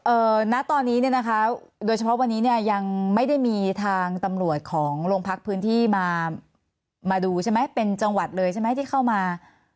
ณตอนนี้เนี่ยนะคะโดยเฉพาะวันนี้เนี่ยยังไม่ได้มีทางตำรวจของโรงพักพื้นที่มามาดูใช่ไหมเป็นจังหวัดเลยใช่ไหมที่เข้ามา